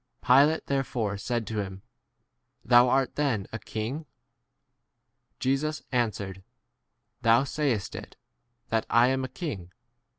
Pilate therefore said to him, Thou' art then a king? Jesus answered, Thou* sayest [it], that I" am a king.